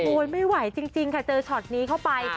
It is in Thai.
ไม่ไหวจริงค่ะเจอช็อตนี้เข้าไป